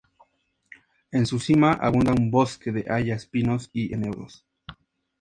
En su cima, abunda un bosque de hayas, pinos y enebros.